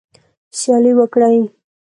سیالي وکړئ